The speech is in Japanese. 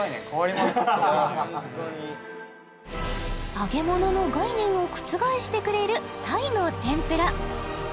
揚げ物の概念を覆してくれる鯛の天ぷら